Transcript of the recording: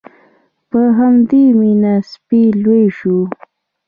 په همدې مینه سپی لوی شو.